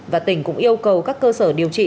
và tỉnh cũng yêu cầu các cơ sở điều trị